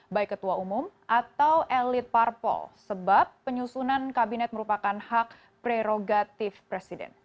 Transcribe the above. baik ketua umum atau elit parpol sebab penyusunan kabinet merupakan hak prerogatif presiden